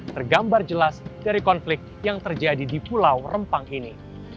tergambar jelas dari konflik yang terjadi di pulau rempang ini